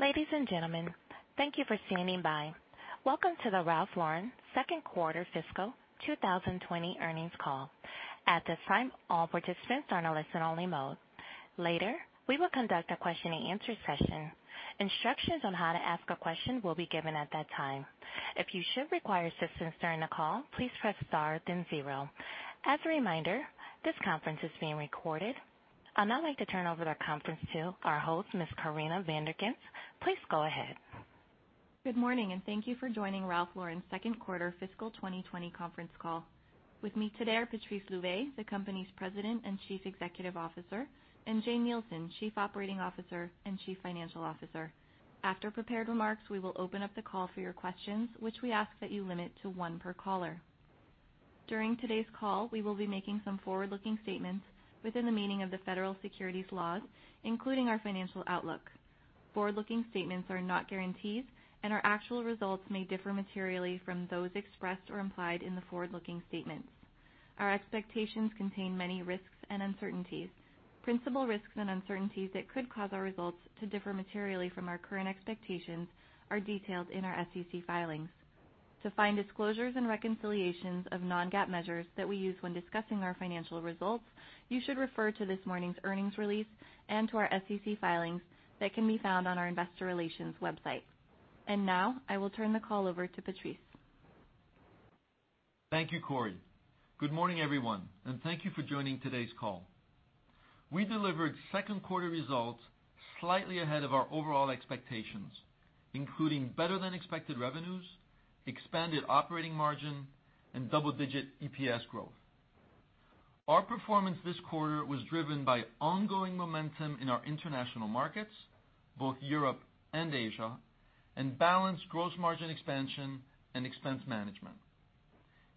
Ladies and gentlemen, thank you for standing by. Welcome to the Ralph Lauren second quarter fiscal 2020 earnings call. At this time, all participants are in a listen-only mode. Later, we will conduct a question and answer session. Instructions on how to ask a question will be given at that time. If you should require assistance during the call, please press star then zero. As a reminder, this conference is being recorded. I'd now like to turn over the conference to our host, Ms. Corinna Van der Ghinst. Please go ahead. Good morning, and thank you for joining Ralph Lauren's second quarter fiscal 2020 conference call. With me today are Patrice Louvet, the company's President and Chief Executive Officer, and Jane Nielsen, Chief Operating Officer and Chief Financial Officer. After prepared remarks, we will open up the call for your questions, which we ask that you limit to one per caller. During today's call, we will be making some forward-looking statements within the meaning of the federal securities laws, including our financial outlook. Forward-looking statements are not guarantees, and our actual results may differ materially from those expressed or implied in the forward-looking statements. Our expectations contain many risks and uncertainties. Principal risks and uncertainties that could cause our results to differ materially from our current expectations are detailed in our SEC filings. To find disclosures and reconciliations of non-GAAP measures that we use when discussing our financial results, you should refer to this morning's earnings release and to our SEC filings that can be found on our investor relations website. Now, I will turn the call over to Patrice. Thank you, Corrie. Good morning, everyone, and thank you for joining today's call. We delivered second quarter results slightly ahead of our overall expectations, including better than expected revenues, expanded operating margin, and double-digit EPS growth. Our performance this quarter was driven by ongoing momentum in our international markets, both Europe and Asia, and balanced gross margin expansion and expense management.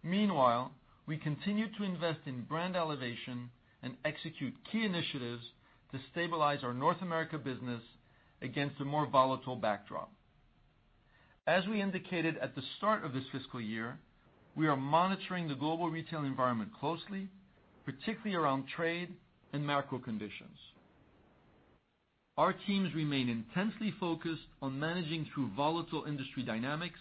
Meanwhile, we continue to invest in brand elevation and execute key initiatives to stabilize our North America business against a more volatile backdrop. As we indicated at the start of this fiscal year, we are monitoring the global retail environment closely, particularly around trade and macro conditions. Our teams remain intensely focused on managing through volatile industry dynamics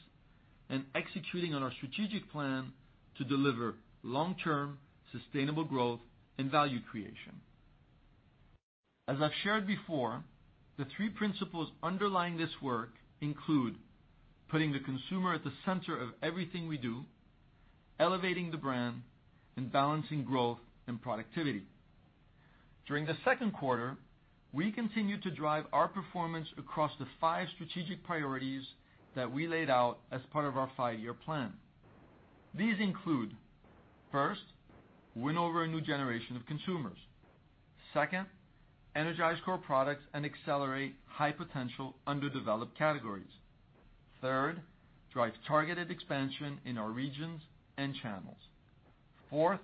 and executing on our strategic plan to deliver long-term sustainable growth and value creation. As I've shared before, the three principles underlying this work include putting the consumer at the center of everything we do, elevating the brand, and balancing growth and productivity. During the second quarter, we continued to drive our performance across the five strategic priorities that we laid out as part of our five-year plan. These include, first, win over a new generation of consumers. Second, energize core products and accelerate high-potential underdeveloped categories. Third, drive targeted expansion in our regions and channels. Fourth,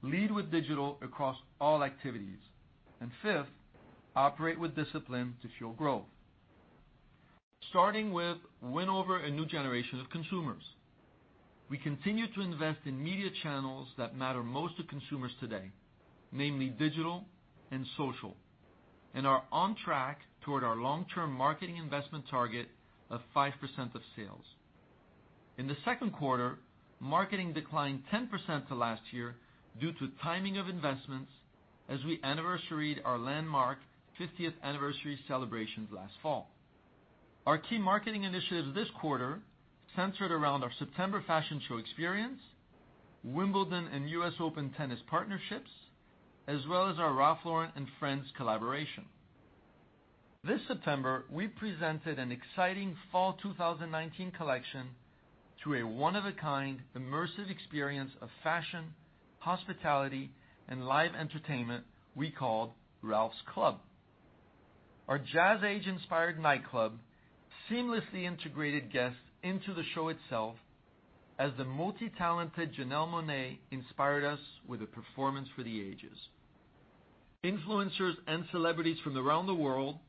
lead with digital across all activities. Fifth, operate with discipline to fuel growth. Starting with win over a new generation of consumers. We continue to invest in media channels that matter most to consumers today, namely digital and social, and are on track toward our long-term marketing investment target of 5% of sales. In the second quarter, marketing declined 10% to last year due to timing of investments as we anniversaried our landmark 50th anniversary celebrations last fall. Our key marketing initiatives this quarter centered around our September fashion show experience, Wimbledon and US Open tennis partnerships, as well as our Ralph Lauren and Friends collaboration. This September, we presented an exciting fall 2019 collection through a one-of-a-kind immersive experience of fashion, hospitality, and live entertainment we called Ralph's Club. Our jazz age-inspired nightclub seamlessly integrated guests into the show itself as the multi-talented Janelle Monáe inspired us with a performance for the ages. Influencers and celebrities from around the world,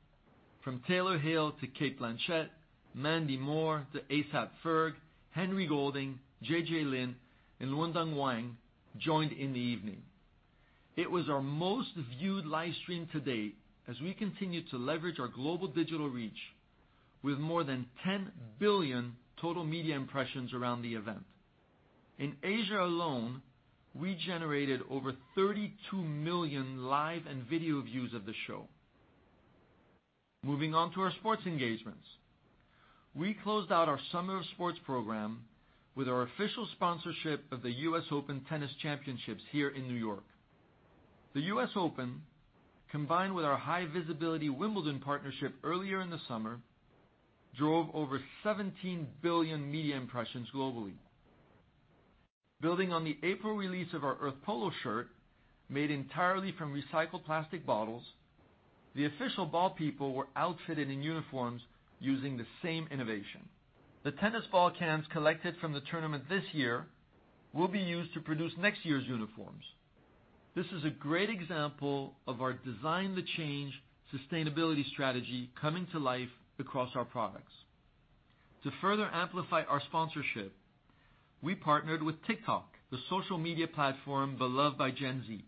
from Taylor Hill to Cate Blanchett, Mandy Moore to A$AP Ferg, Henry Golding, JJ Lin, and Luodong Wang, joined in the evening. It was our most viewed live stream to date as we continue to leverage our global digital reach with more than 10 billion total media impressions around the event. In Asia alone, we generated over 32 million live and video views of the show. Moving on to our sports engagements. We closed out our summer sports program with our official sponsorship of the US Open Tennis Championships here in New York. The US Open, combined with our high visibility Wimbledon partnership earlier in the summer, drove over 17 billion media impressions globally. Building on the April release of our Earth Polo shirt made entirely from recycled plastic bottles, the official ball people were outfitted in uniforms using the same innovation. The tennis ball cans collected from the tournament this year will be used to produce next year's uniforms. This is a great example of our Design the Change sustainability strategy coming to life across our products. To further amplify our sponsorship, we partnered with TikTok, the social media platform beloved by Gen Z,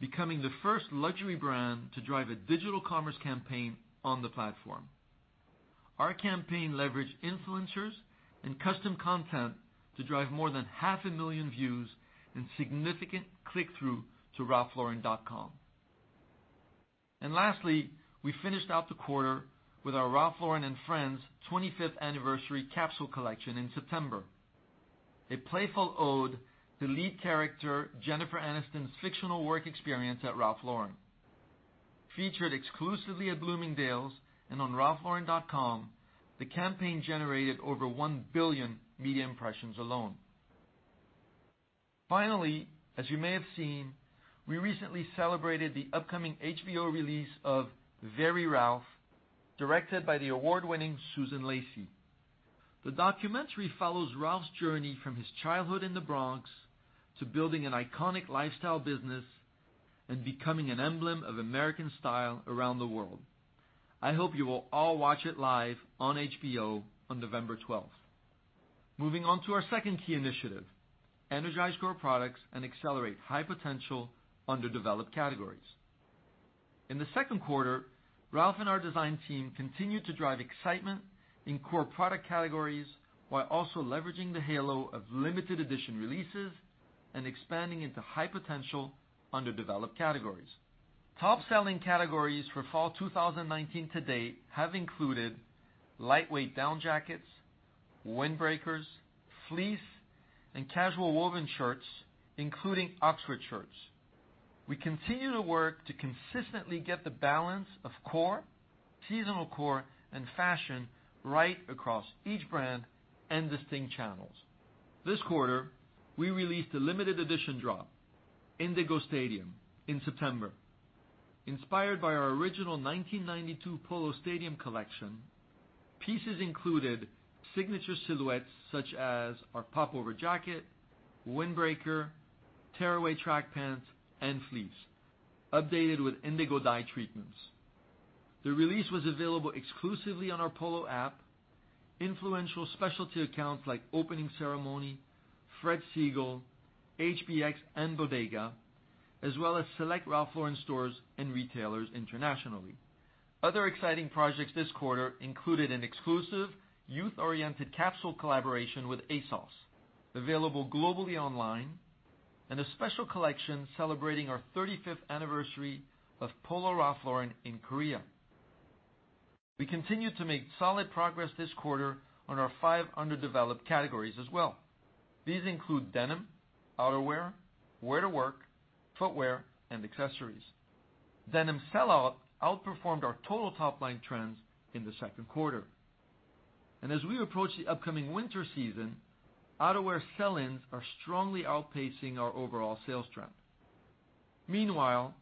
becoming the first luxury brand to drive a digital commerce campaign on the platform. Our campaign leveraged influencers and custom content to drive more than 500,000 views and significant click-through to ralphlauren.com. Lastly, we finished out the quarter with our Ralph Lauren and Friends 25th anniversary capsule collection in September, a playful ode to lead character Jennifer Aniston's fictional work experience at Ralph Lauren. Featured exclusively at Bloomingdale's and on ralphlauren.com, the campaign generated over 1 billion media impressions alone. Finally, as you may have seen, we recently celebrated the upcoming HBO release of Very Ralph, directed by the award-winning Susan Lacy. The documentary follows Ralph's journey from his childhood in the Bronx to building an iconic lifestyle business and becoming an emblem of American style around the world. I hope you will all watch it live on HBO on November 12th. Moving on to our second key initiative, energize core products and accelerate high-potential underdeveloped categories. In the second quarter, Ralph and our design team continued to drive excitement in core product categories while also leveraging the halo of limited edition releases and expanding into high-potential underdeveloped categories. Top-selling categories for fall 2019 to date have included lightweight down jackets, windbreakers, fleece, and casual woven shirts, including Oxford shirts. We continue to work to consistently get the balance of core, seasonal core, and fashion right across each brand and distinct channels. This quarter, we released a limited edition drop, Indigo Stadium, in September. Inspired by our original 1992 Polo Stadium collection, pieces included signature silhouettes such as our pop-over jacket, windbreaker, tearaway track pants, and fleece, updated with indigo dye treatments. The release was available exclusively on our Polo app, influential specialty accounts like Opening Ceremony, Fred Segal, HBX, and Bodega, as well as select Ralph Lauren stores and retailers internationally. Other exciting projects this quarter included an exclusive youth-oriented capsule collaboration with ASOS, available globally online, and a special collection celebrating our 35th anniversary of Polo Ralph Lauren in Korea. We continued to make solid progress this quarter on our five underdeveloped categories as well. These include denim, outerwear, wear-to-work, footwear, and accessories. Denim sell-out outperformed our total top-line trends in the second quarter. As we approach the upcoming winter season, outerwear sell-ins are strongly outpacing our overall sales trend. Meanwhile,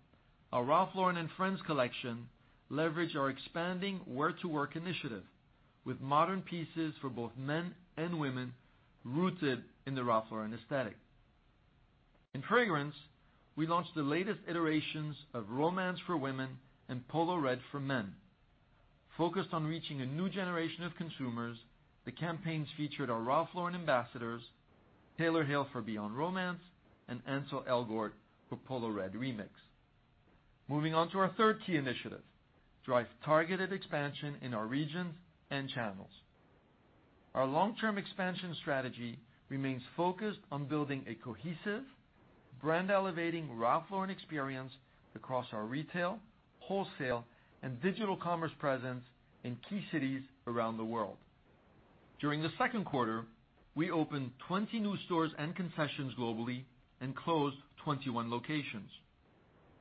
our Ralph Lauren and Friends collection leverage our expanding Wear-to-Work Initiative with modern pieces for both men and women rooted in the Ralph Lauren aesthetic. In fragrance, we launched the latest iterations of Romance for women and Polo Red for men. Focused on reaching a new generation of consumers, the campaigns featured our Ralph Lauren ambassadors, Taylor Hill for Beyond Romance and Ansel Elgort for Polo Red Remix. Moving on to our third key initiative, drive targeted expansion in our regions and channels. Our long-term expansion strategy remains focused on building a cohesive, brand-elevating Ralph Lauren experience across our retail, wholesale, and digital commerce presence in key cities around the world. During the second quarter, we opened 20 new stores and concessions globally and closed 21 locations.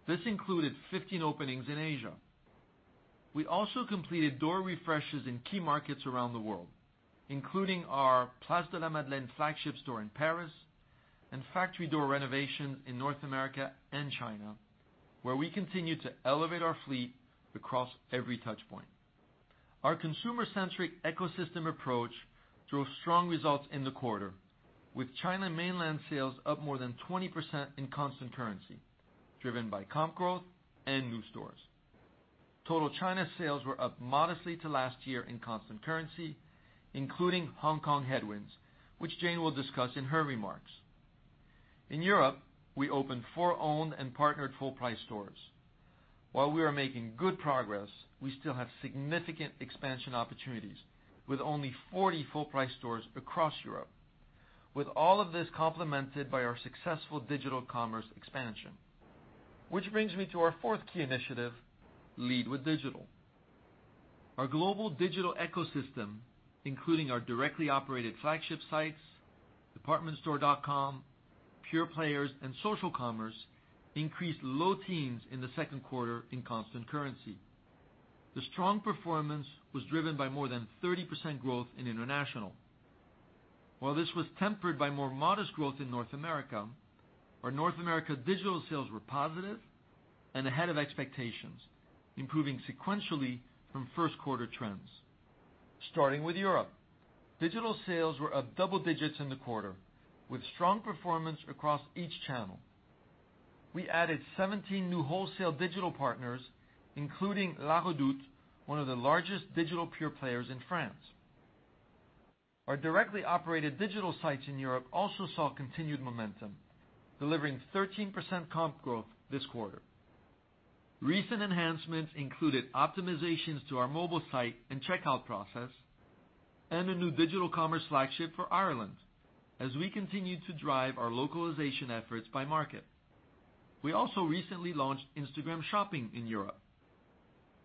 This included 15 openings in Asia. We also completed door refreshes in key markets around the world, including our Place de la Madeleine flagship store in Paris and factory door renovation in North America and China, where we continue to elevate our fleet across every touch point. Our consumer-centric ecosystem approach drove strong results in the quarter, with China mainland sales up more than 20% in constant currency, driven by comp growth and new stores. Total China sales were up modestly to last year in constant currency, including Hong Kong headwinds, which Jane will discuss in her remarks. In Europe, we opened four owned and partnered full-price stores. While we are making good progress, we still have significant expansion opportunities, with only 40 full-price stores across Europe. With all of this complemented by our successful digital commerce expansion. Which brings me to our fourth key initiative, lead with digital. Our global digital ecosystem, including our directly operated flagship sites, departmentstore.com, pure players, and social commerce, increased low teens in the second quarter in constant currency. The strong performance was driven by more than 30% growth in international. While this was tempered by more modest growth in North America, our North America digital sales were positive and ahead of expectations, improving sequentially from first-quarter trends. Starting with Europe, digital sales were up double digits in the quarter, with strong performance across each channel. We added 17 new wholesale digital partners, including La Redoute, one of the largest digital pure players in France. Our directly operated digital sites in Europe also saw continued momentum, delivering 13% comp growth this quarter. Recent enhancements included optimizations to our mobile site and checkout process, and a new digital commerce flagship for Ireland, as we continue to drive our localization efforts by market. We also recently launched Instagram shopping in Europe.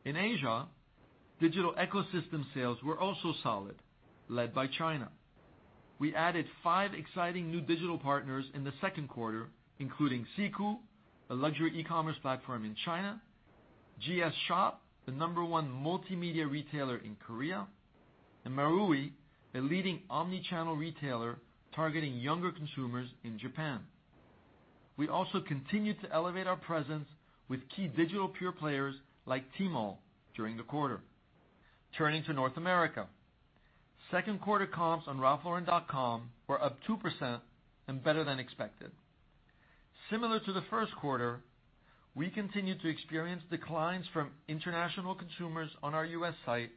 In Asia, digital ecosystem sales were also solid, led by China. We added five exciting new digital partners in the second quarter, including Secoo, a luxury e-commerce platform in China, GS Shop, the number one multimedia retailer in Korea, and Marui, a leading omni-channel retailer targeting younger consumers in Japan. We also continued to elevate our presence with key digital pure players like Tmall during the quarter. Turning to North America. Second quarter comps on ralphlauren.com were up 2% and better than expected. Similar to the first quarter, we continued to experience declines from international consumers on our U.S. site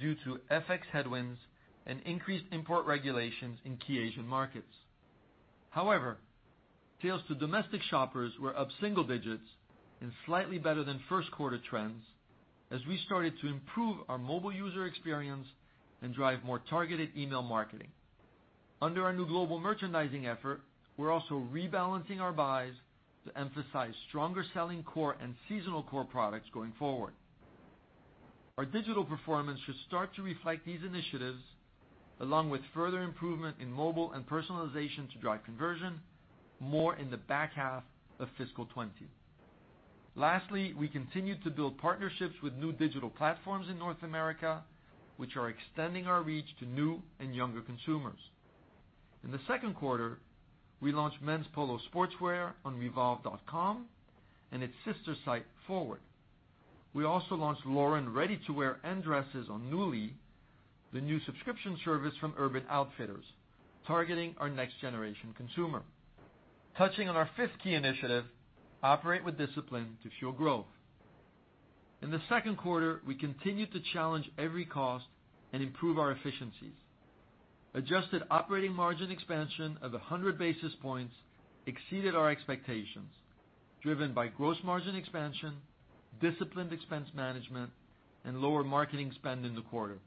due to FX headwinds and increased import regulations in key Asian markets. However, sales to domestic shoppers were up single digits and slightly better than first-quarter trends as we started to improve our mobile user experience and drive more targeted email marketing. Under our new global merchandising effort, we're also rebalancing our buys to emphasize stronger selling core and seasonal core products going forward. Our digital performance should start to reflect these initiatives, along with further improvement in mobile and personalization to drive conversion more in the back half of FY 2020. Lastly, we continued to build partnerships with new digital platforms in North America, which are extending our reach to new and younger consumers. In the second quarter, we launched men's Polo sportswear on Revolve.com and its sister site, FWRD. We also launched Lauren ready-to-wear and dresses on Nuuly, the new subscription service from Urban Outfitters, targeting our next-generation consumer. Touching on our fifth key initiative, Operate with Discipline to Fuel Growth. In the second quarter, we continued to challenge every cost and improve our efficiencies. Adjusted operating margin expansion of 100 basis points exceeded our expectations, driven by gross margin expansion, disciplined expense management, and lower marketing spend in the quarter.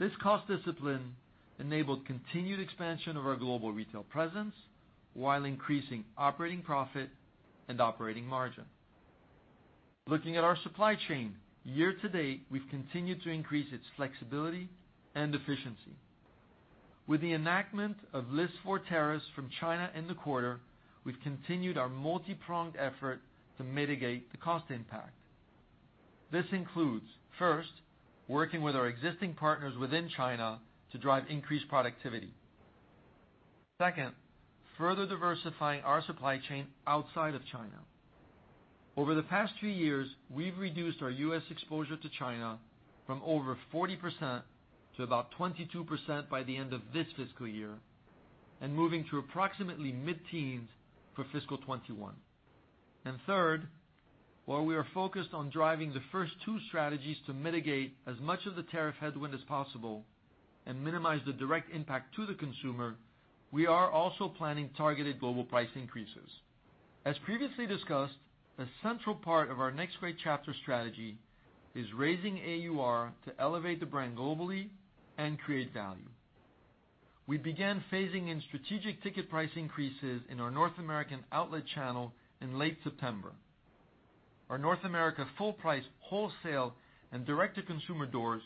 This cost discipline enabled continued expansion of our global retail presence while increasing operating profit and operating margin. Looking at our supply chain. Year-to-date, we've continued to increase its flexibility and efficiency. With the enactment of List 4 tariffs from China in the quarter, we've continued our multi-pronged effort to mitigate the cost impact. This includes, first, working with our existing partners within China to drive increased productivity. Second, further diversifying our supply chain outside of China. Over the past few years, we've reduced our U.S. exposure to China from over 40% to about 22% by the end of this fiscal year, and moving to approximately mid-teens for fiscal 2021. Third, while we are focused on driving the first two strategies to mitigate as much of the tariff headwind as possible and minimize the direct impact to the consumer, we are also planning targeted global price increases. As previously discussed, a central part of our Next Great Chapter strategy is raising AUR to elevate the brand globally and create value. We began phasing in strategic ticket price increases in our North American outlet channel in late September. Our North America full price wholesale and direct-to-consumer doors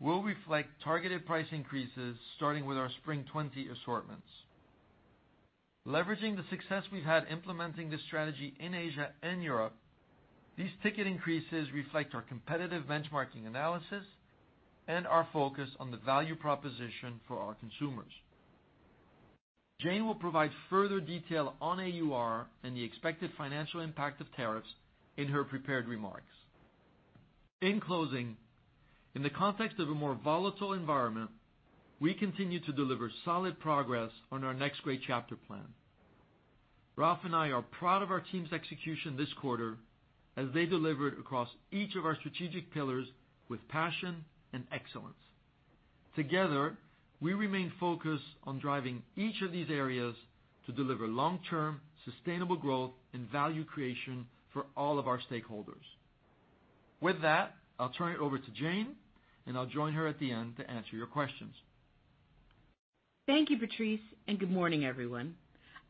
will reflect targeted price increases starting with our spring 2020 assortments. Leveraging the success we've had implementing this strategy in Asia and Europe, these ticket increases reflect our competitive benchmarking analysis and our focus on the value proposition for our consumers. Jane will provide further detail on AUR and the expected financial impact of tariffs in her prepared remarks. In closing, in the context of a more volatile environment, we continue to deliver solid progress on our Next Great Chapter plan. Ralph and I are proud of our team's execution this quarter as they delivered across each of our strategic pillars with passion and excellence. Together, we remain focused on driving each of these areas to deliver long-term, sustainable growth and value creation for all of our stakeholders. With that, I'll turn it over to Jane, and I'll join her at the end to answer your questions. Thank you, Patrice, and good morning, everyone.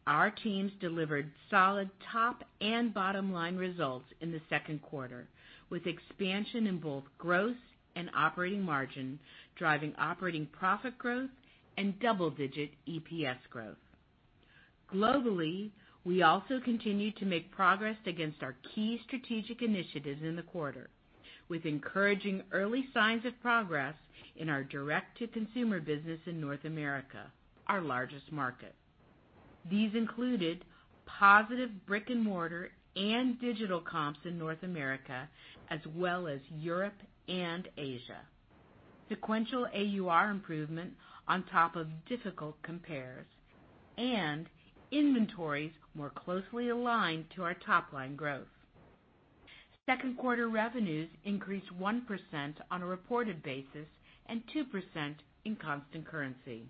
Our teams delivered solid top and bottom-line results in the second quarter, with expansion in both growth and operating margin, driving operating profit growth and double-digit EPS growth. Globally, we also continued to make progress against our key strategic initiatives in the quarter, with encouraging early signs of progress in our direct-to-consumer business in North America, our largest market. These included positive brick-and-mortar and digital comps in North America, as well as Europe and Asia, sequential AUR improvement on top of difficult compares, and inventories more closely aligned to our top-line growth. Second quarter revenues increased 1% on a reported basis and 2% in constant currency.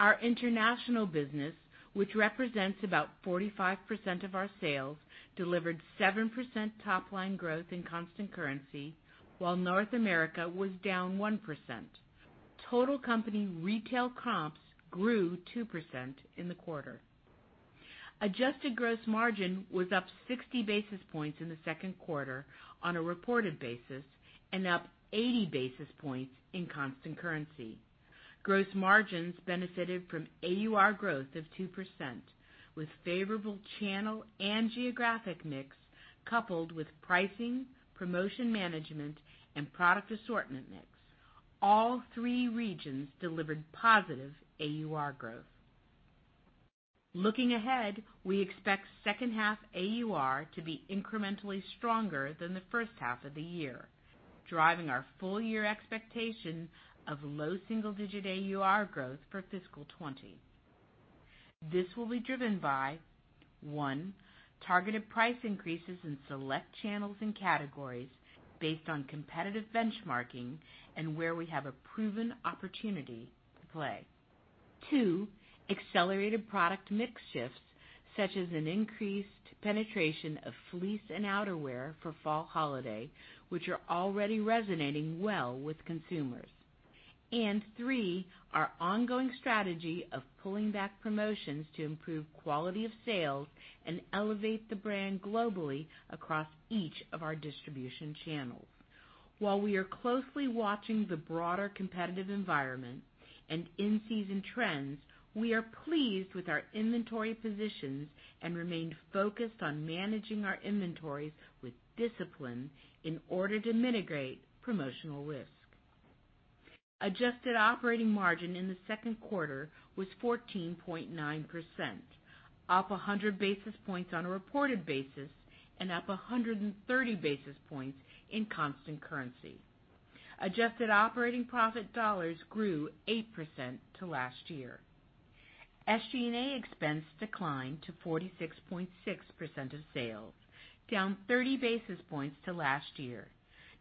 Our international business, which represents about 45% of our sales, delivered 7% top-line growth in constant currency, while North America was down 1%. Total company retail comps grew 2% in the quarter. Adjusted gross margin was up 60 basis points in the second quarter on a reported basis and up 80 basis points in constant currency. Gross margins benefited from AUR growth of 2%, with favorable channel and geographic mix, coupled with pricing, promotion management, and product assortment mix. All three regions delivered positive AUR growth. Looking ahead, we expect second half AUR to be incrementally stronger than the first half of the year, driving our full year expectation of low single-digit AUR growth for fiscal 2020. This will be driven by, one, targeted price increases in select channels and categories based on competitive benchmarking and where we have a proven opportunity to play. Two, accelerated product mix shifts, such as an increased penetration of fleece and outerwear for fall holiday, which are already resonating well with consumers. Three, our ongoing strategy of pulling back promotions to improve quality of sales and elevate the brand globally across each of our distribution channels. While we are closely watching the broader competitive environment and in-season trends, we are pleased with our inventory positions and remain focused on managing our inventories with discipline in order to mitigate promotional risk. Adjusted operating margin in the second quarter was 14.9%, up 100 basis points on a reported basis and up 130 basis points in constant currency. Adjusted operating profit dollars grew 8% to last year. SG&A expense declined to 46.6% of sales, down 30 basis points to last year,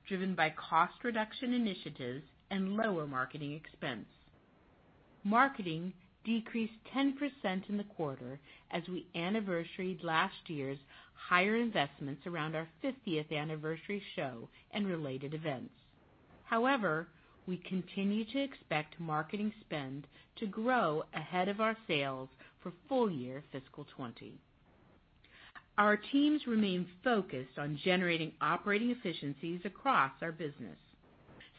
driven by cost reduction initiatives and lower marketing expense. Marketing decreased 10% in the quarter as we anniversaried last year's higher investments around our 50th anniversary show and related events. However, we continue to expect marketing spend to grow ahead of our sales for full year fiscal 2020. Our teams remain focused on generating operating efficiencies across our business.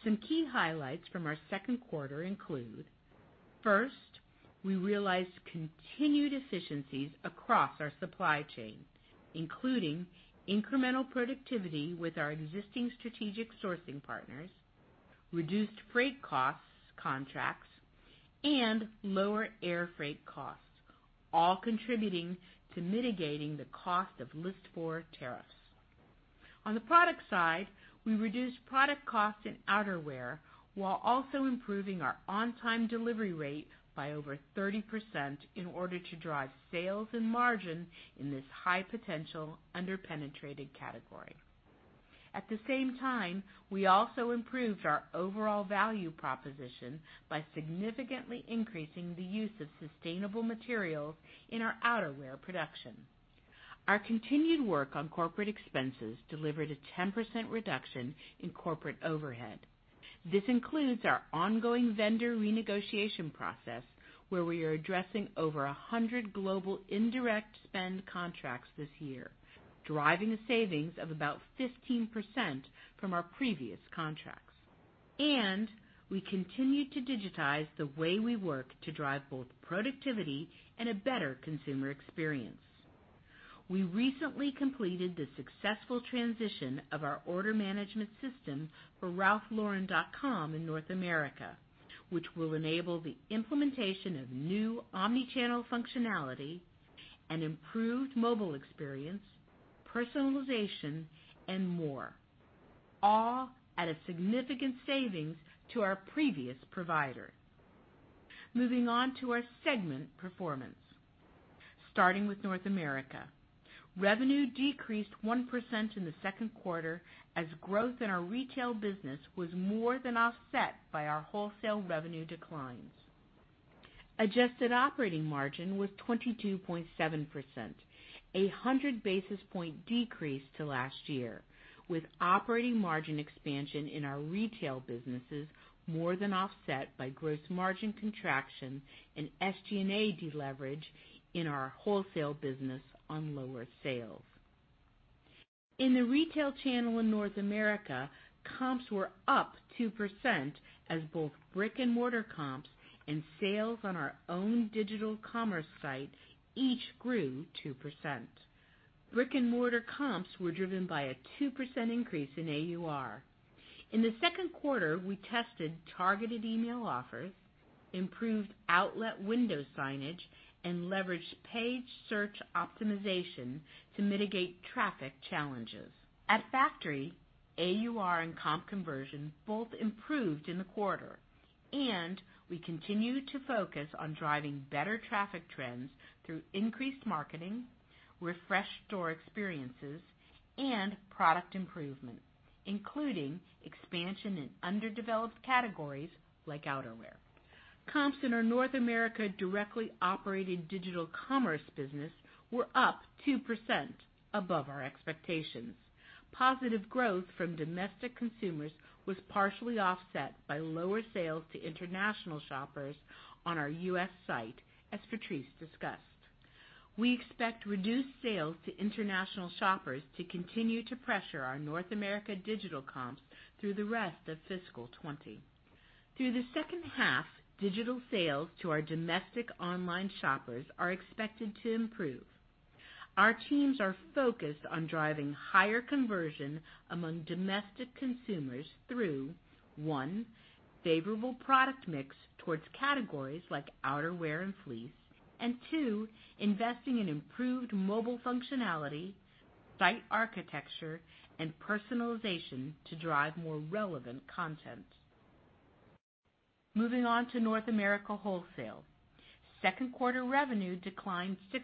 Some key highlights from our second quarter include, first, we realized continued efficiencies across our supply chain, including incremental productivity with our existing strategic sourcing partners, reduced freight costs contracts, and lower air freight costs, all contributing to mitigating the cost of list 4 tariffs. On the product side, we reduced product cost in outerwear while also improving our on-time delivery rate by over 30% in order to drive sales and margin in this high-potential, under-penetrated category. At the same time, we also improved our overall value proposition by significantly increasing the use of sustainable materials in our outerwear production. Our continued work on corporate expenses delivered a 10% reduction in corporate overhead. This includes our ongoing vendor renegotiation process, where we are addressing over 100 global indirect spend contracts this year, driving a savings of about 15% from our previous contracts. We continue to digitize the way we work to drive both productivity and a better consumer experience. We recently completed the successful transition of our order management system for ralphlauren.com in North America, which will enable the implementation of new omni-channel functionality and improved mobile experience, personalization, and more, all at a significant savings to our previous provider. Moving on to our segment performance. Starting with North America. Revenue decreased 1% in the second quarter as growth in our retail business was more than offset by our wholesale revenue declines. Adjusted operating margin was 22.7%, a 100 basis point decrease to last year, with operating margin expansion in our retail businesses more than offset by gross margin contraction and SG&A deleverage in our wholesale business on lower sales. In the retail channel in North America, comps were up 2% as both brick-and-mortar comps and sales on our own digital commerce site each grew 2%. Brick-and-mortar comps were driven by a 2% increase in AUR. In the second quarter, we tested targeted email offers, improved outlet window signage, and leveraged page search optimization to mitigate traffic challenges. At Factory, AUR and comp conversion both improved in the quarter, and we continued to focus on driving better traffic trends through increased marketing, refreshed store experiences, and product improvements, including expansion in underdeveloped categories like outerwear. Comps in our North America directly operated digital commerce business were up 2%, above our expectations. Positive growth from domestic consumers was partially offset by lower sales to international shoppers on our U.S. site, as Patrice discussed. We expect reduced sales to international shoppers to continue to pressure our North America digital comps through the rest of fiscal 2020. Through the second half, digital sales to our domestic online shoppers are expected to improve. Our teams are focused on driving higher conversion among domestic consumers through, one, favorable product mix towards categories like outerwear and fleece, and two, investing in improved mobile functionality, site architecture, and personalization to drive more relevant content. Moving on to North America wholesale. Second quarter revenue declined 6%.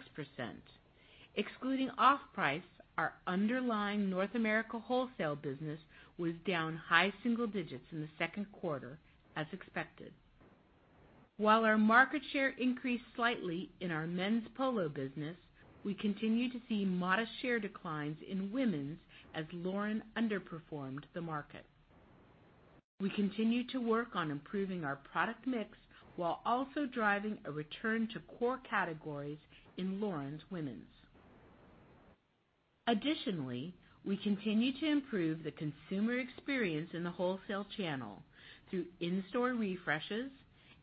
Excluding off-price, our underlying North America wholesale business was down high single digits in the second quarter, as expected. While our market share increased slightly in our men's Polo business, we continue to see modest share declines in women's as Lauren underperformed the market. We continue to work on improving our product mix while also driving a return to core categories in Lauren's women's. Additionally, we continue to improve the consumer experience in the wholesale channel through in-store refreshes,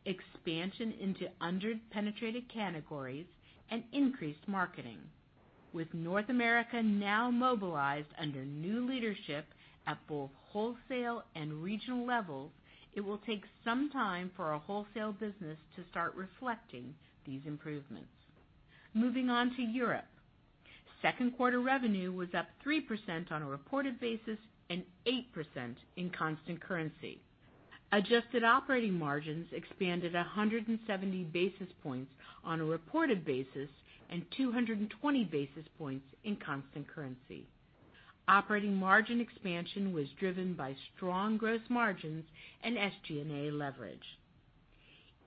expansion into under-penetrated categories, and increased marketing. With North America now mobilized under new leadership at both wholesale and regional levels, it will take some time for our wholesale business to start reflecting these improvements. Moving on to Europe. Second quarter revenue was up 3% on a reported basis and 8% in constant currency. Adjusted operating margins expanded 170 basis points on a reported basis and 220 basis points in constant currency. Operating margin expansion was driven by strong gross margins and SG&A leverage.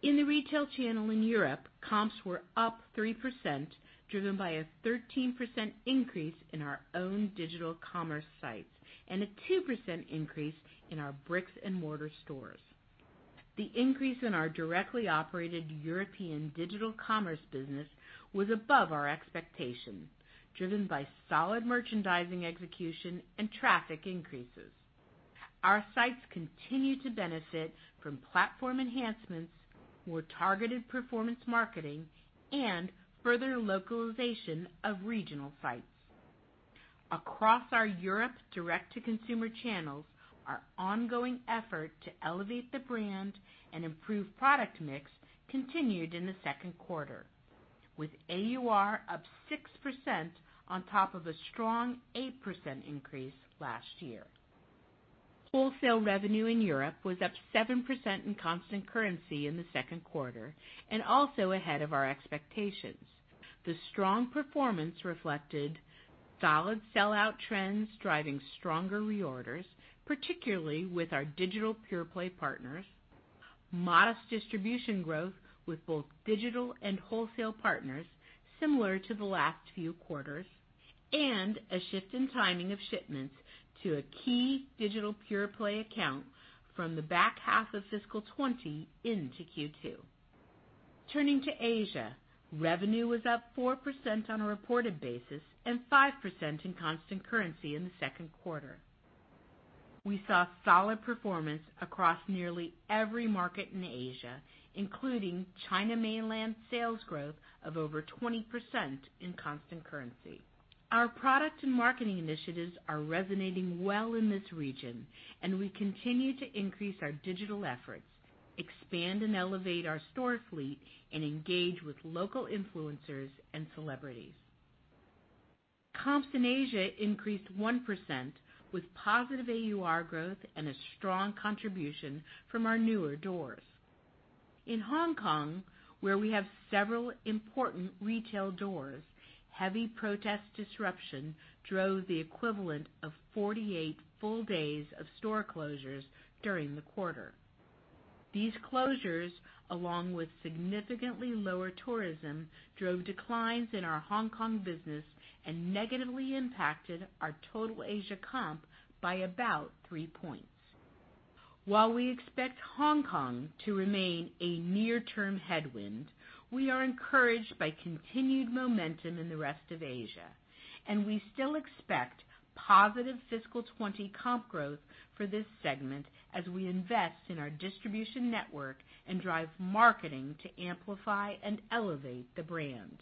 In the retail channel in Europe, comps were up 3%, driven by a 13% increase in our own digital commerce sites and a 2% increase in our bricks-and-mortar stores. The increase in our directly operated European digital commerce business was above our expectations, driven by solid merchandising execution and traffic increases. Our sites continue to benefit from platform enhancements, more targeted performance marketing, and further localization of regional sites. Across our Europe direct-to-consumer channels, our ongoing effort to elevate the brand and improve product mix continued in the second quarter, with AUR up 6% on top of a strong 8% increase last year. Wholesale revenue in Europe was up 7% in constant currency in the second quarter and also ahead of our expectations. The strong performance reflected solid sell-out trends driving stronger reorders, particularly with our digital pure-play partners, modest distribution growth with both digital and wholesale partners similar to the last few quarters, and a shift in timing of shipments to a key digital pure-play account from the back half of fiscal 2020 into Q2. Turning to Asia, revenue was up 4% on a reported basis and 5% in constant currency in the second quarter. We saw solid performance across nearly every market in Asia, including China mainland sales growth of over 20% in constant currency. Our product and marketing initiatives are resonating well in this region, and we continue to increase our digital efforts, expand and elevate our store fleet, and engage with local influencers and celebrities. Comps in Asia increased 1%, with positive AUR growth and a strong contribution from our newer doors. In Hong Kong, where we have several important retail doors, heavy protest disruption drove the equivalent of 48 full days of store closures during the quarter. These closures, along with significantly lower tourism, drove declines in our Hong Kong business and negatively impacted our total Asia comp by about three points. While we expect Hong Kong to remain a near-term headwind, we are encouraged by continued momentum in the rest of Asia, and we still expect positive fiscal 2020 comp growth for this segment as we invest in our distribution network and drive marketing to amplify and elevate the brand.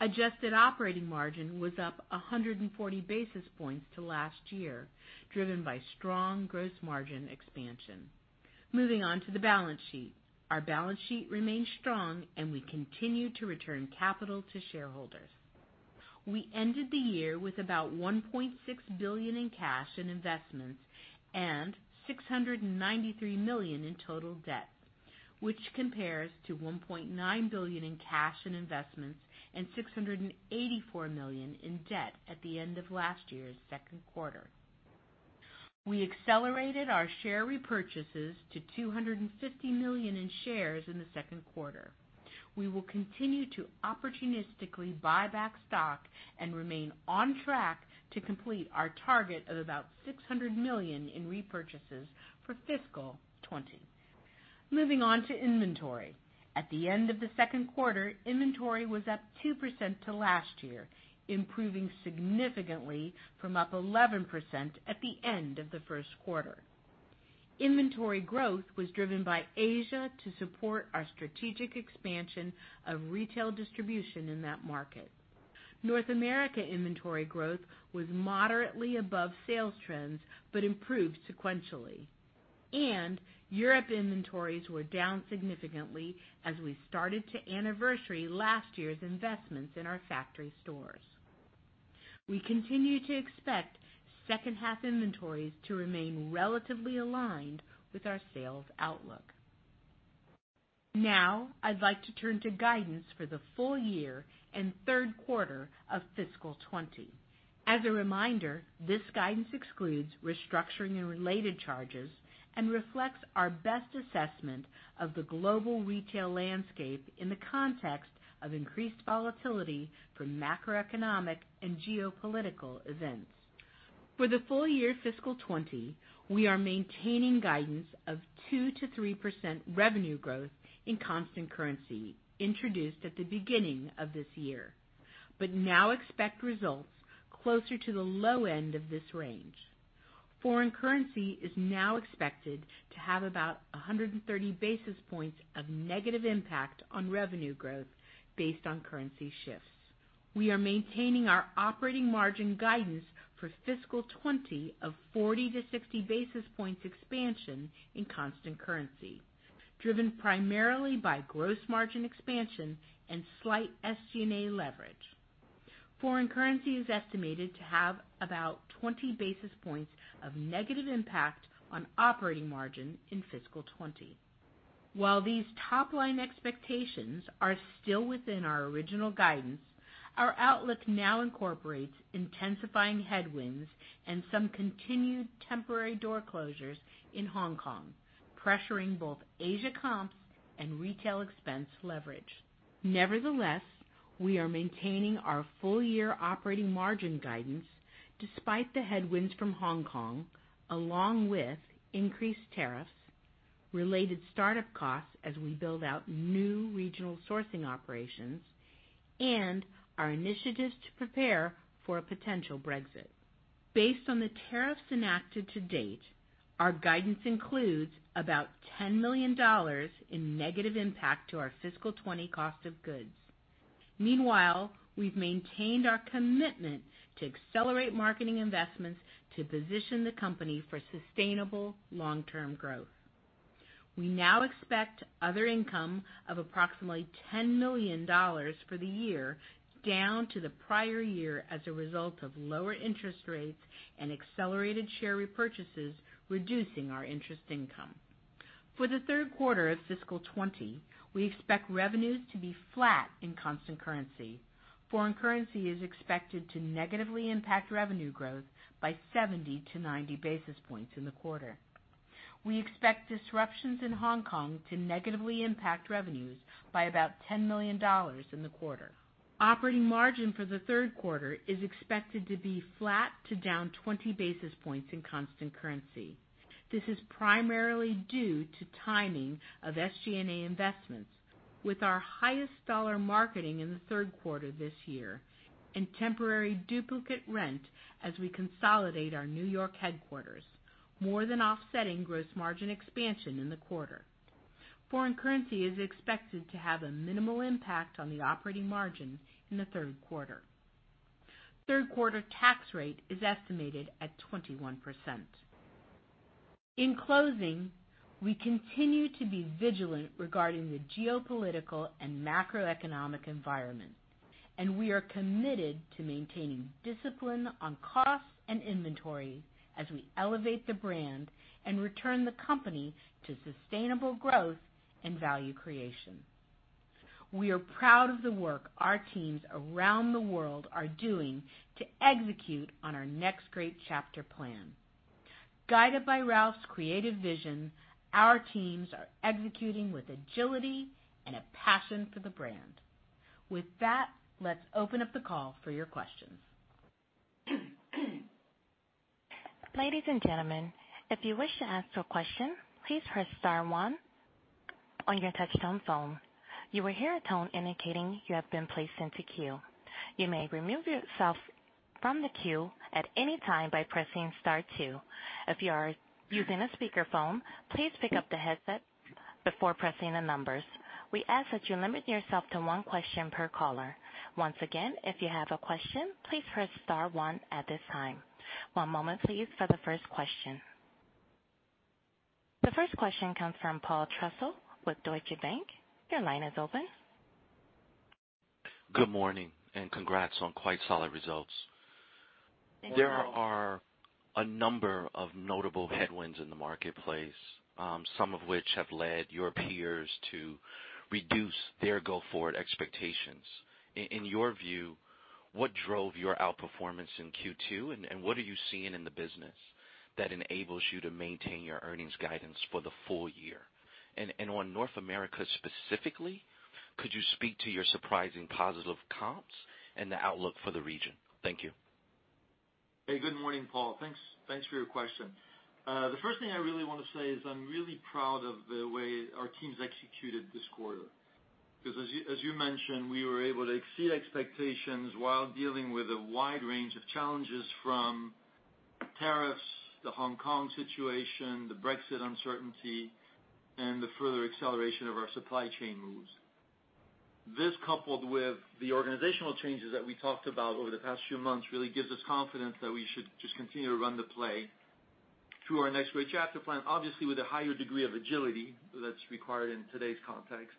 Adjusted operating margin was up 140 basis points to last year, driven by strong gross margin expansion. Moving on to the balance sheet. Our balance sheet remains strong, and we continue to return capital to shareholders. We ended the year with about $1.6 billion in cash and investments and $693 million in total debt, which compares to $1.9 billion in cash and investments and $684 million in debt at the end of last year's second quarter. We accelerated our share repurchases to $250 million in shares in the second quarter. We will continue to opportunistically buy back stock and remain on track to complete our target of about $600 million in repurchases for fiscal 2020. Moving on to inventory. At the end of the second quarter, inventory was up 2% to last year, improving significantly from up 11% at the end of the first quarter. Inventory growth was driven by Asia to support our strategic expansion of retail distribution in that market. North America inventory growth was moderately above sales trends but improved sequentially. Europe inventories were down significantly as we started to anniversary last year's investments in our factory stores. We continue to expect second half inventories to remain relatively aligned with our sales outlook. I'd like to turn to guidance for the full year and third quarter of fiscal 2020. As a reminder, this guidance excludes restructuring and related charges and reflects our best assessment of the global retail landscape in the context of increased volatility from macroeconomic and geopolitical events. For the full year fiscal 2020, we are maintaining guidance of 2%-3% revenue growth in constant currency introduced at the beginning of this year, but now expect results closer to the low end of this range. Foreign currency is now expected to have about 130 basis points of negative impact on revenue growth based on currency shifts. We are maintaining our operating margin guidance for fiscal 2020 of 40-60 basis points expansion in constant currency, driven primarily by gross margin expansion and slight SG&A leverage. Foreign currency is estimated to have about 20 basis points of negative impact on operating margin in fiscal 2020. While these top-line expectations are still within our original guidance, our outlook now incorporates intensifying headwinds and some continued temporary door closures in Hong Kong, pressuring both Asia comps and retail expense leverage. Nevertheless, we are maintaining our full-year operating margin guidance despite the headwinds from Hong Kong, along with increased tariffs, related startup costs as we build out new regional sourcing operations, and our initiatives to prepare for a potential Brexit. Based on the tariffs enacted to date, our guidance includes about $10 million in negative impact to our fiscal 2020 cost of goods. Meanwhile, we've maintained our commitment to accelerate marketing investments to position the company for sustainable long-term growth. We now expect other income of approximately $10 million for the year, down to the prior year as a result of lower interest rates and accelerated share repurchases, reducing our interest income. For the third quarter of fiscal 2020, we expect revenues to be flat in constant currency. Foreign currency is expected to negatively impact revenue growth by 70-90 basis points in the quarter. We expect disruptions in Hong Kong to negatively impact revenues by about $10 million in the quarter. Operating margin for the third quarter is expected to be flat to down 20 basis points in constant currency. This is primarily due to timing of SG&A investments, with our highest dollar marketing in the third quarter this year and temporary duplicate rent as we consolidate our New York headquarters, more than offsetting gross margin expansion in the quarter. Foreign currency is expected to have a minimal impact on the operating margin in the third quarter. Third quarter tax rate is estimated at 21%. In closing, we continue to be vigilant regarding the geopolitical and macroeconomic environment, and we are committed to maintaining discipline on costs and inventory as we elevate the brand and return the company to sustainable growth and value creation. We are proud of the work our teams around the world are doing to execute on our Next Great Chapter plan. Guided by Ralph's creative vision, our teams are executing with agility and a passion for the brand. With that, let's open up the call for your questions. Ladies and gentlemen, if you wish to ask a question, please press star 1 on your touchtone phone. You will hear a tone indicating you have been placed into queue. You may remove yourself from the queue at any time by pressing star 2. If you are using a speakerphone, please pick up the headset before pressing the numbers. We ask that you limit yourself to 1 question per caller. Once again, if you have a question, please press star 1 at this time. 1 moment please for the first question. The first question comes from Paul Trussell with Deutsche Bank. Your line is open. Good morning. Congrats on quite solid results. Thank you. There are a number of notable headwinds in the marketplace, some of which have led your peers to reduce their go-forward expectations. In your view, what drove your outperformance in Q2, and what are you seeing in the business that enables you to maintain your earnings guidance for the full year? On North America specifically, could you speak to your surprising positive comps and the outlook for the region? Thank you. Hey, good morning, Paul. Thanks for your question. The first thing I really want to say is I'm really proud of the way our team's executed this quarter, because, as you mentioned, we were able to exceed expectations while dealing with a wide range of challenges from tariffs, the Hong Kong situation, the Brexit uncertainty, and the further acceleration of our supply chain moves. This, coupled with the organizational changes that we talked about over the past few months, really gives us confidence that we should just continue to run the play through our Next Great Chapter plan, obviously, with a higher degree of agility that's required in today's context.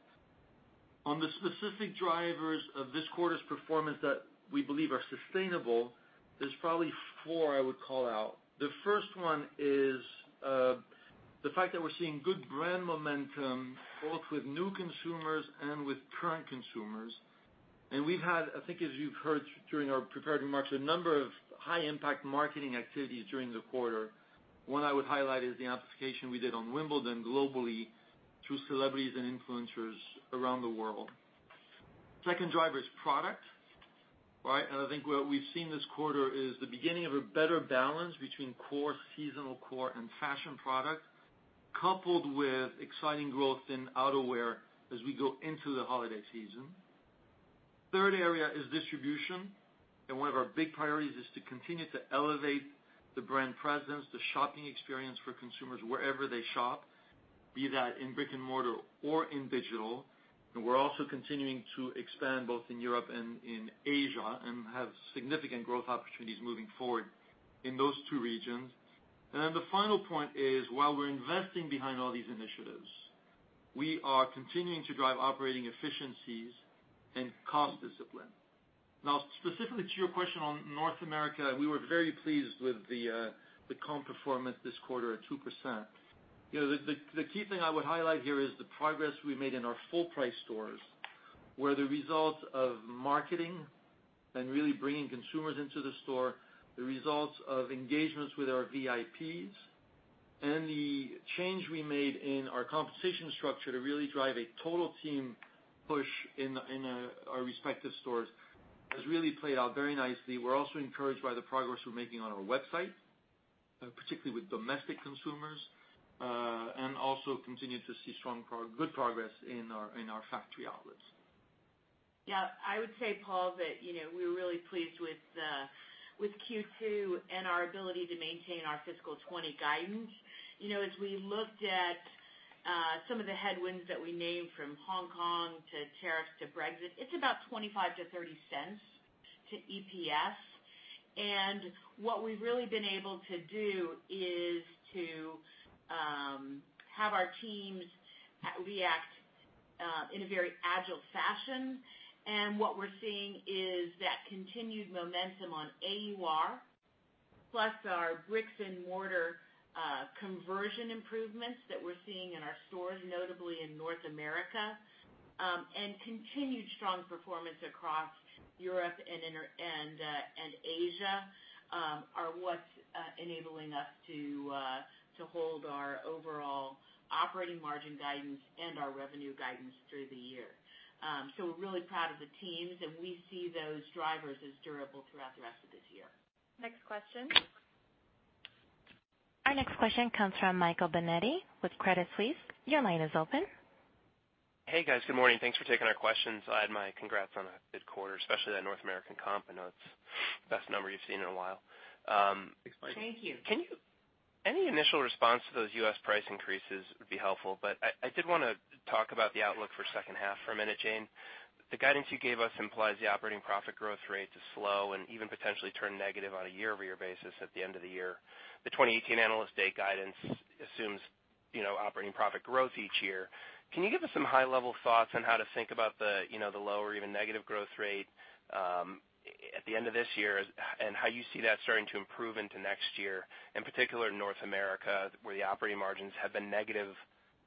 On the specific drivers of this quarter's performance that we believe are sustainable, there's probably four I would call out. The first one is the fact that we're seeing good brand momentum both with new consumers and with current consumers. We've had, I think as you've heard during our prepared remarks, a number of high impact marketing activities during the quarter. One I would highlight is the amplification we did on Wimbledon globally through celebrities and influencers around the world. Second driver is product. I think what we've seen this quarter is the beginning of a better balance between core seasonal, core, and fashion product, coupled with exciting growth in outerwear as we go into the holiday season. Third area is distribution, and one of our big priorities is to continue to elevate the brand presence, the shopping experience for consumers wherever they shop, be that in brick and mortar or in digital. We're also continuing to expand both in Europe and in Asia and have significant growth opportunities moving forward in those two regions. The final point is, while we're investing behind all these initiatives, we are continuing to drive operating efficiencies and cost discipline. Specifically to your question on North America, we were very pleased with the comp performance this quarter at 2%. The key thing I would highlight here is the progress we made in our full price stores, where the results of marketing and really bringing consumers into the store, the results of engagements with our VIPs, and the change we made in our compensation structure to really drive a total team push in our respective stores, has really played out very nicely. We're also encouraged by the progress we're making on our website, particularly with domestic consumers, and also continue to see good progress in our factory outlets. I would say, Paul, that we were really pleased with Q2 and our ability to maintain our fiscal 2020 guidance. As we looked at some of the headwinds that we named, from Hong Kong to tariffs to Brexit, it's about $0.25-$0.30 to EPS. What we've really been able to do is to have our teams react in a very agile fashion. What we're seeing is that continued momentum on AUR, plus our bricks and mortar conversion improvements that we're seeing in our stores, notably in North America, and continued strong performance across Europe and Asia, are what's enabling us to hold our overall operating margin guidance and our revenue guidance through the year. We're really proud of the teams, and we see those drivers as durable throughout the rest of this year. Next question. Our next question comes from Michael Binetti with Credit Suisse. Your line is open. Hey, guys. Good morning. Thanks for taking our questions. I add my congrats on a good quarter, especially that North American comp. I know it's the best number you've seen in a while. Thanks, Michael. Thank you. Any initial response to those U.S. price increases would be helpful. I did want to talk about the outlook for second half for a minute, Jane. The guidance you gave us implies the operating profit growth rate to slow and even potentially turn negative on a year-over-year basis at the end of the year. The 2018 Analyst Day guidance assumes operating profit growth each year. Can you give us some high-level thoughts on how to think about the lower or even negative growth rate at the end of this year, and how you see that starting to improve into next year, in particular, North America, where the operating margins have been negative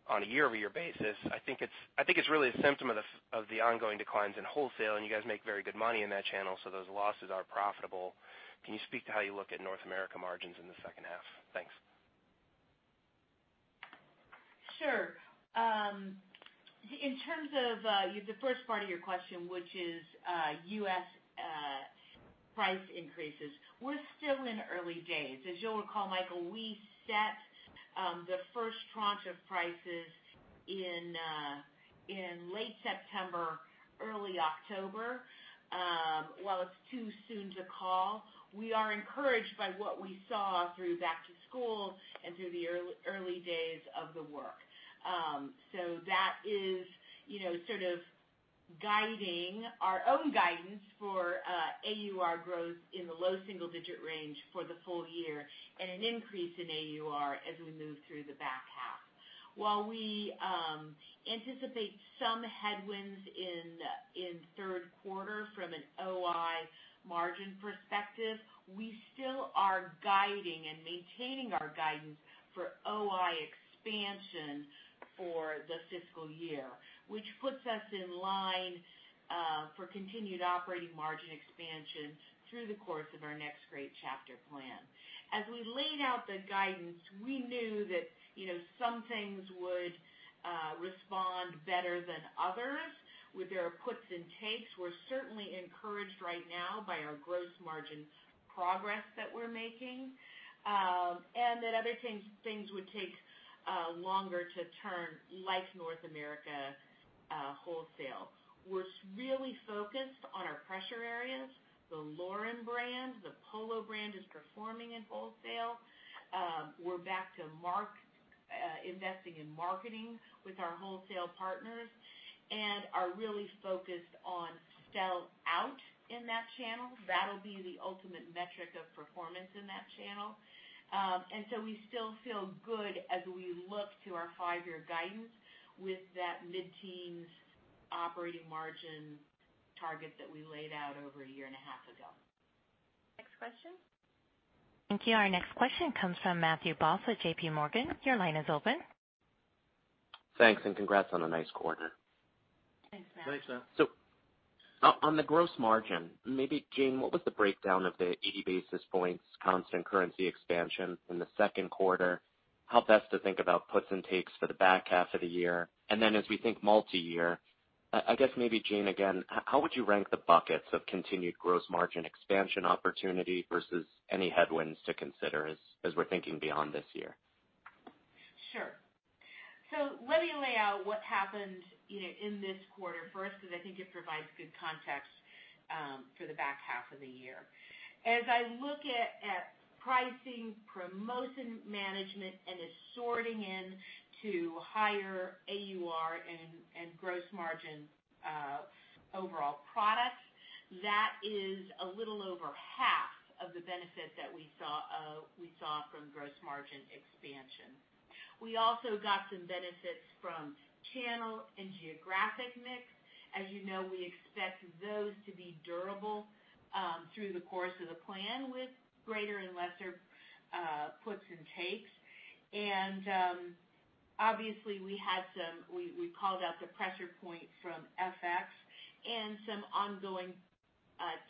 on a year-over-year basis? I think it's really a symptom of the ongoing declines in wholesale. You guys make very good money in that channel. Those losses are profitable. Can you speak to how you look at North America margins in the second half? Thanks. Sure. In terms of the first part of your question, which is U.S. price increases, we're still in early days. As you'll recall, Michael, we set the first tranche of prices in late September, early October. While it's too soon to call, we are encouraged by what we saw through back to school and through the early days of the work. That is our own guidance for AUR growth in the low single-digit range for the full year, and an increase in AUR as we move through the back half. While we anticipate some headwinds in third quarter from an OI margin perspective, we still are guiding and maintaining our guidance for OI expansion for the fiscal year. Which puts us in line for continued operating margin expansion through the course of our Next Great Chapter plan. As we laid out the guidance, we knew that some things would respond better than others with their puts and takes. We're certainly encouraged right now by our gross margin progress that we're making. That other things would take longer to turn, like North America wholesale. We're really focused on our pressure areas, the Lauren brand, the Polo brand is performing in wholesale. We're back to investing in marketing with our wholesale partners, and are really focused on sell out in that channel. That'll be the ultimate metric of performance in that channel. We still feel good as we look to our five-year guidance with that mid-teens operating margin target that we laid out over a year and a half ago. Next question. Thank you. Our next question comes from Matthew Boss, JPMorgan, your line is open. Thanks, and congrats on a nice quarter. Thanks, Matt. On the gross margin, maybe Jane, what was the breakdown of the 80 basis points constant currency expansion in the second quarter? How best to think about puts and takes for the back half of the year? As we think multi-year, I guess maybe Jane again, how would you rank the buckets of continued gross margin expansion opportunity versus any headwinds to consider as we're thinking beyond this year? Sure. Let me lay out what happened in this quarter first, because I think it provides good context for the back half of the year. As I look at pricing, promotion management, and assorting in to higher AUR and gross margin overall products, that is a little over half of the benefit that we saw from gross margin expansion. We also got some benefits from channel and geographic mix. As you know, we expect those to be durable through the course of the plan with greater and lesser puts and takes. Obviously we called out the pressure point from FX and some ongoing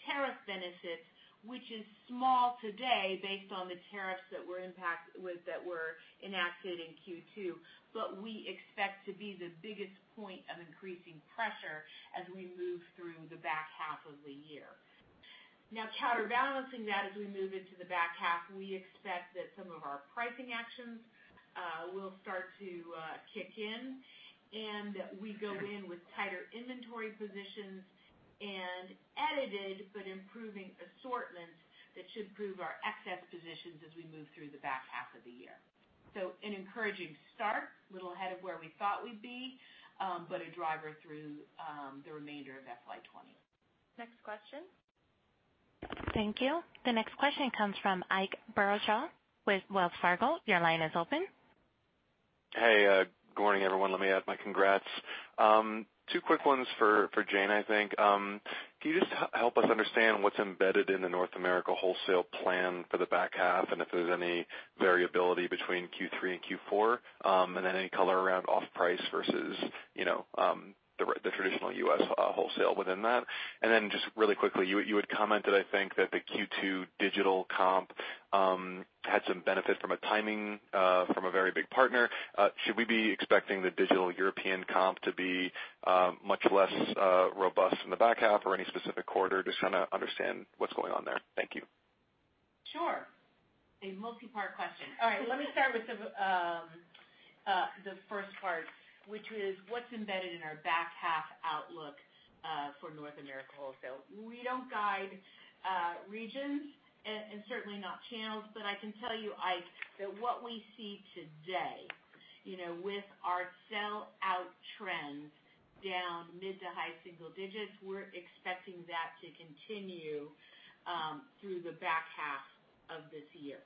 tariff benefits, which is small today based on the tariffs that were enacted in Q2, but we expect to be the biggest point of increasing pressure as we move through the back half of the year. Counterbalancing that as we move into the back half, we expect that some of our pricing actions will start to kick in. We go in with tighter inventory positions and edited, but improving assortments that should prove our excess positions as we move through the back half of the year. An encouraging start, little ahead of where we thought we'd be, but a driver through the remainder of FY 2020. Next question. Thank you. The next question comes from Ike Boruchow with Wells Fargo. Your line is open. Hey, good morning, everyone. Let me add my congrats. Two quick ones for Jane, I think. Can you just help us understand what's embedded in the North America wholesale plan for the back half, and if there's any variability between Q3 and Q4? Then any color around off price versus the traditional U.S. wholesale within that. Then just really quickly, you had commented, I think, that the Q2 digital comp had some benefit from a timing from a very big partner. Should we be expecting the digital European comp to be much less robust in the back half or any specific quarter? Just trying to understand what's going on there. Thank you. Sure. A multi-part question. All right, let me start with the first part, which is what's embedded in our back half outlook for North America wholesale. We don't guide regions and certainly not channels. I can tell you, Ike, that what we see today, with our sellout trends down mid-to-high single digits, we're expecting that to continue through the back half of this year.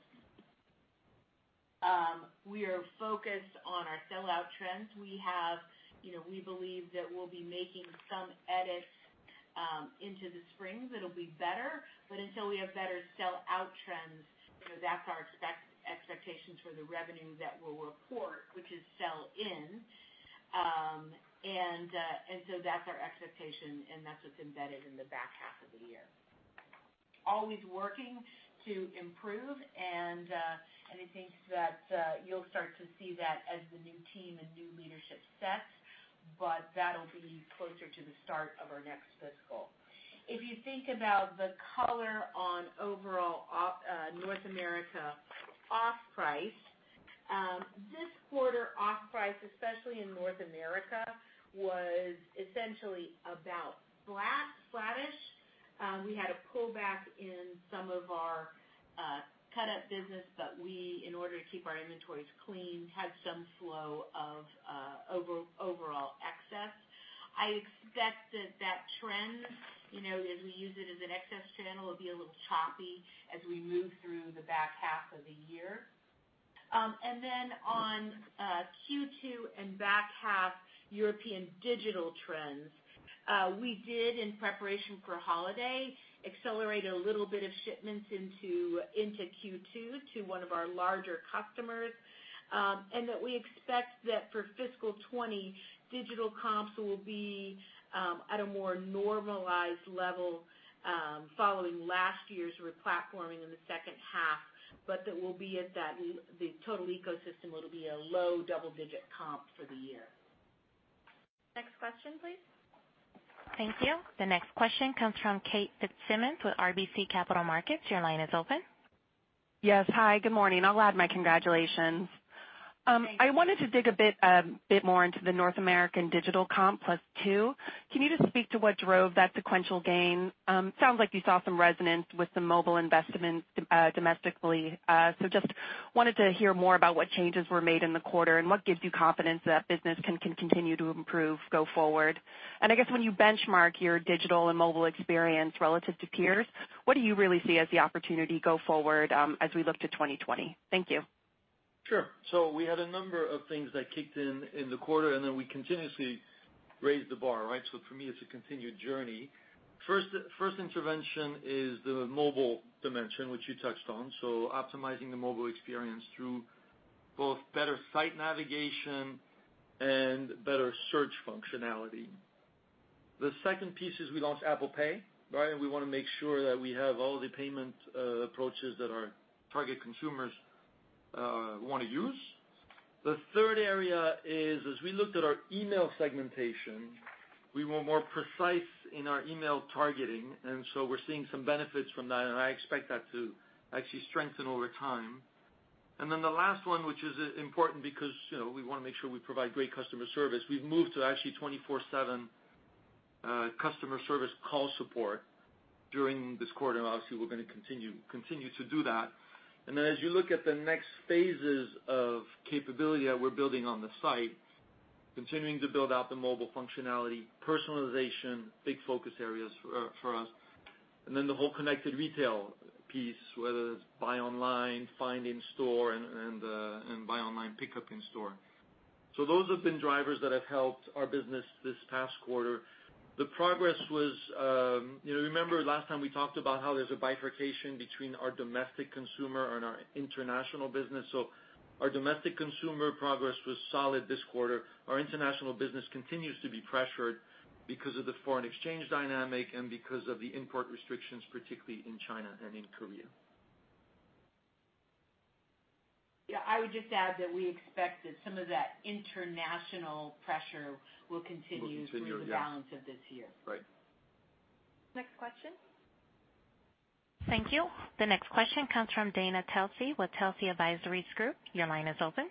We are focused on our sellout trends. We believe that we'll be making some edits into the spring that'll be better, but until we have better sellout trends, that's our expectations for the revenue that we'll report, which is sell-in. That's our expectation, and that's what's embedded in the back half of the year. Always working to improve and I think that you'll start to see that as the new team and new leadership sets, closer to the start of our next fiscal. If you think about the color on overall North America off-price, this quarter off-price, especially in North America, was essentially about flat, flattish. We had a pullback in some of our cutup business, but we, in order to keep our inventories clean, had some flow of overall excess. I expect that that trend, as we use it as an excess channel, will be a little choppy as we move through the back half of the year. On Q2 and back half European digital trends, we did, in preparation for holiday, accelerate a little bit of shipments into Q2 to one of our larger customers. That we expect that for fiscal 2020, digital comps will be at a more normalized level following last year's re-platforming in the second half. The total ecosystem, it'll be a low double-digit comp for the year. Next question, please. Thank you. The next question comes from Kate Fitzsimons with RBC Capital Markets. Your line is open. Yes. Hi, good morning. I'll add my congratulations. Thank you. I wanted to dig a bit more into the North American digital comp plus 2%. Can you just speak to what drove that sequential gain? Sounds like you saw some resonance with some mobile investment domestically. Just wanted to hear more about what changes were made in the quarter and what gives you confidence that business can continue to improve go forward. I guess when you benchmark your digital and mobile experience relative to peers, what do you really see as the opportunity go forward, as we look to 2020? Thank you. Sure. We had a number of things that kicked in in the quarter, and then we continuously raised the bar, right? For me, it's a continued journey. First intervention is the mobile dimension, which you touched on. Optimizing the mobile experience through both better site navigation and better search functionality. The second piece is we launched Apple Pay. We want to make sure that we have all the payment approaches that our target consumers want to use. The third area is, as we looked at our email segmentation, we were more precise in our email targeting, and so we're seeing some benefits from that, and I expect that to actually strengthen over time. The last one, which is important because we want to make sure we provide great customer service, we've moved to actually 24/7 customer service call support during this quarter, and obviously, we're going to continue to do that. As you look at the next phases of capability that we're building on the site, continuing to build out the mobile functionality, personalization, big focus areas for us. The whole connected retail piece, whether it's buy online, find in store, and buy online, pickup in store. Those have been drivers that have helped our business this past quarter. Remember last time we talked about how there's a bifurcation between our domestic consumer and our international business. Our domestic consumer progress was solid this quarter. Our international business continues to be pressured because of the foreign exchange dynamic and because of the import restrictions, particularly in China and in Korea. Yeah, I would just add that we expect that some of that international pressure will continue. Will continue, yes. through the balance of this year. Right. Next question. Thank you. The next question comes from Dana Telsey with Telsey Advisory Group. Your line is open.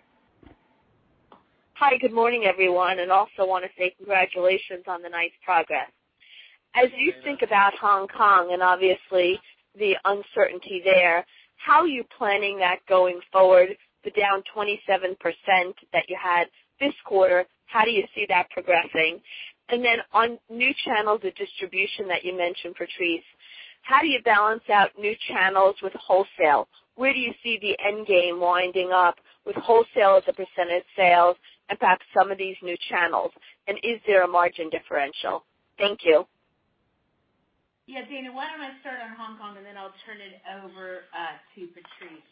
Hi, good morning, everyone, and also want to say congratulations on the nice progress. Yeah. As you think about Hong Kong and obviously the uncertainty there, how are you planning that going forward, the down 27% that you had this quarter, how do you see that progressing? On new channels of distribution that you mentioned, Patrice, how do you balance out new channels with wholesale? Where do you see the end game winding up with wholesale as a percentage sale, and perhaps some of these new channels? Is there a margin differential? Thank you. Yeah, Dana, why don't I start on Hong Kong, and then I'll turn it over to Patrice.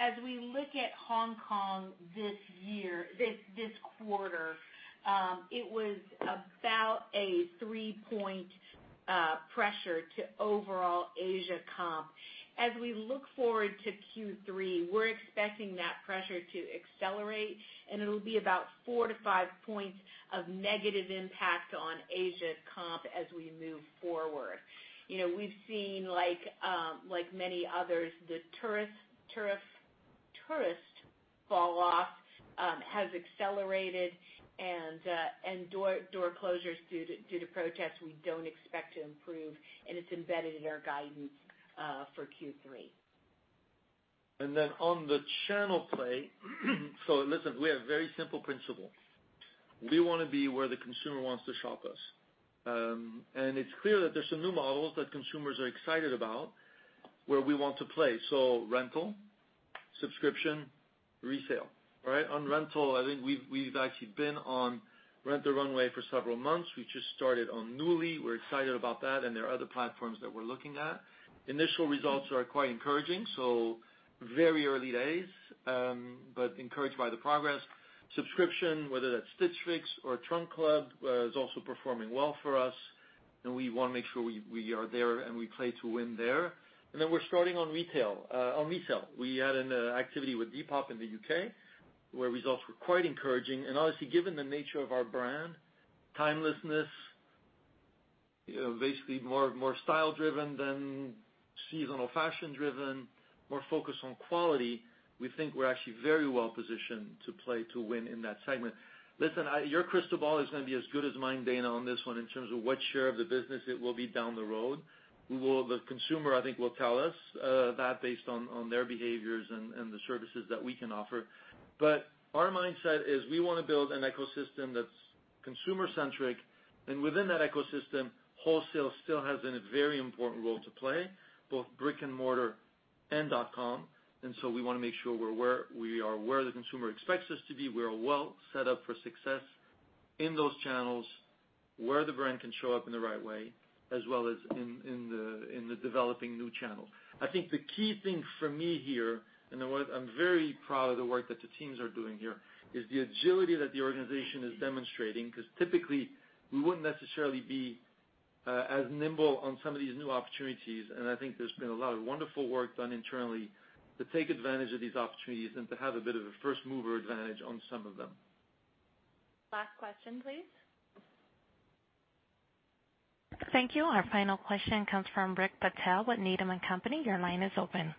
As we look at Hong Kong this quarter, it was about a 3-point pressure to overall Asia comp. As we look forward to Q3, we're expecting that pressure to accelerate, and it'll be about 4-5 points of negative impact on Asia comp as we move forward. We've seen, like many others, the tourist falloff has accelerated, and door closures due to protests we don't expect to improve, and it's embedded in our guidance for Q3. On the channel play, listen, we have a very simple principle. We want to be where the consumer wants to shop us. It's clear that there's some new models that consumers are excited about, where we want to play. Rental, subscription, resale. On rental, I think we've actually been on Rent the Runway for several months. We just started on Nuuly. We're excited about that, and there are other platforms that we're looking at. Initial results are quite encouraging, very early days, but encouraged by the progress. Subscription, whether that's Stitch Fix or Trunk Club, is also performing well for us. We want to make sure we are there and we play to win there. We're starting on retail. On resale. We had an activity with Depop in the U.K. where results were quite encouraging. Honestly, given the nature of our brand, timelessness, basically more style driven than seasonal fashion driven, more focused on quality. We think we're actually very well positioned to play to win in that segment. Listen, your crystal ball is going to be as good as mine, Dana, on this one in terms of what share of the business it will be down the road. The consumer, I think, will tell us that based on their behaviors and the services that we can offer. Our mindset is we want to build an ecosystem that's consumer-centric. Within that ecosystem, wholesale still has a very important role to play, both brick and mortar and .com. We want to make sure we are where the consumer expects us to be. We are well set up for success in those channels, where the brand can show up in the right way, as well as in the developing new channel. I think the key thing for me here, and I'm very proud of the work that the teams are doing here, is the agility that the organization is demonstrating. Typically, we wouldn't necessarily be as nimble on some of these new opportunities. I think there's been a lot of wonderful work done internally to take advantage of these opportunities and to have a bit of a first-mover advantage on some of them. Last question, please. Thank you. Our final question comes from Rick Patel with Needham & Company. Your line is open.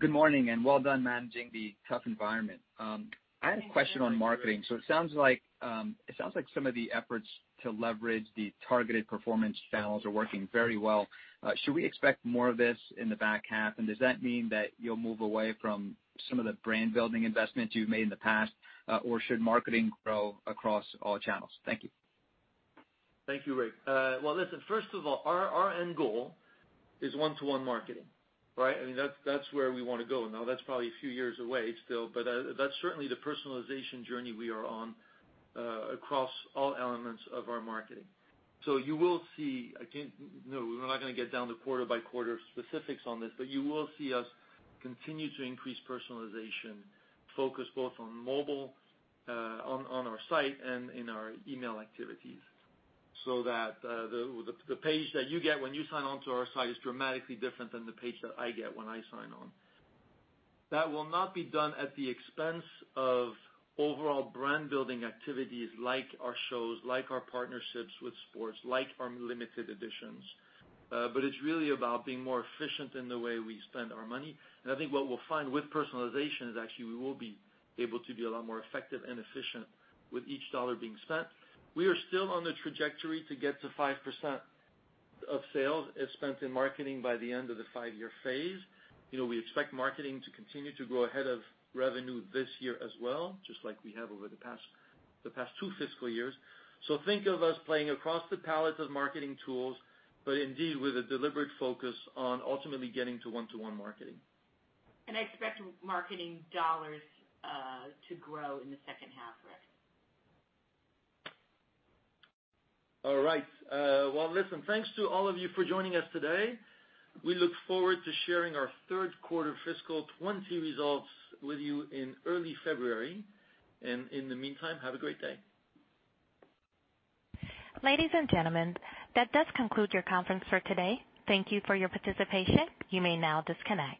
Good morning, well done managing the tough environment. I had a question on marketing. It sounds like some of the efforts to leverage the targeted performance channels are working very well. Should we expect more of this in the back half? Does that mean that you'll move away from some of the brand-building investments you've made in the past? Should marketing grow across all channels? Thank you. Thank you, Rick. Well, listen, first of all, our end goal is one-to-one marketing, right? That's where we want to go. That's probably a few years away still, but that's certainly the personalization journey we are on across all elements of our marketing. You will see, again, no, we're not going to get down to quarter-by-quarter specifics on this, but you will see us continue to increase personalization focus both on mobile, on our site, and in our email activities. That the page that you get when you sign on to our site is dramatically different than the page that I get when I sign on. That will not be done at the expense of overall brand-building activities like our shows, like our partnerships with sports, like our limited editions. It's really about being more efficient in the way we spend our money. I think what we'll find with personalization is actually we will be able to be a lot more effective and efficient with each dollar being spent. We are still on the trajectory to get to 5% of sales as spent in marketing by the end of the 5-year phase. We expect marketing to continue to grow ahead of revenue this year as well, just like we have over the past two fiscal years. Think of us playing across the palette of marketing tools, but indeed with a deliberate focus on ultimately getting to one-to-one marketing. I expect marketing dollars to grow in the second half, Rick. All right. Well, listen, thanks to all of you for joining us today. We look forward to sharing our third quarter fiscal 2020 results with you in early February. In the meantime, have a great day. Ladies and gentlemen, that does conclude your conference for today. Thank you for your participation. You may now disconnect.